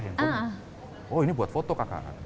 handphone nya oh ini buat foto kakak